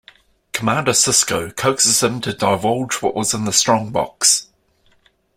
Commander Sisko coaxes him to divulge what was in the strongbox.